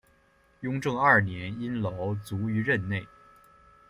雍正二年因劳卒于任内。